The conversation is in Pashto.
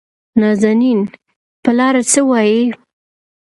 نازنين : پلاره څه چې وايې؟